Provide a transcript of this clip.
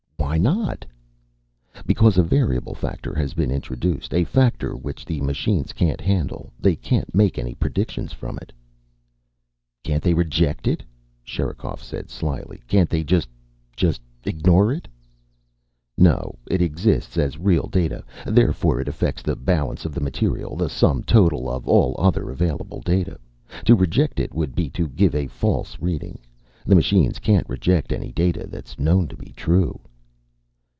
"Why not?" "Because a variable factor has been introduced. A factor which the machines can't handle. They can't make any predictions from it." "Can't they reject it?" Sherikov said slyly. "Can't they just just ignore it?" "No. It exists, as real data. Therefore it affects the balance of the material, the sum total of all other available data. To reject it would be to give a false reading. The machines can't reject any data that's known to be true."